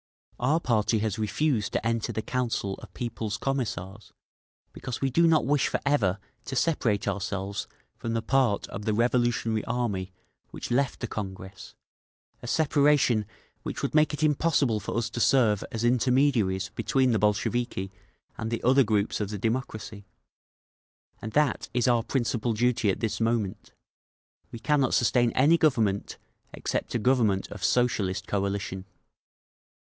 "Our party has refused to enter the Council of People's Commissars because we do not wish forever to separate ourselves from the part of the revolutionary army which left the Congress, a separation which would make it impossible for us to serve as intermediaries between the Bolsheviki and the other groups of the democracy…. And that is our principal duty at this moment. We cannot sustain any government except a government of Socialist coalition….